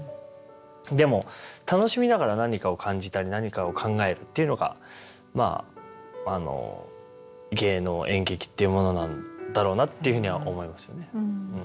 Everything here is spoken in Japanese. でも楽しみながら何かを感じたり何かを考えるっていうのが芸能演劇っていうものなんだろうなっていうふうには思いますよね。